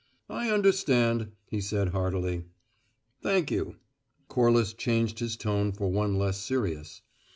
"I understand," he said heartily. "Thank you." Corliss changed his tone for one less serious.